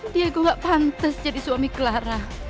diego gak pantas jadi suami clara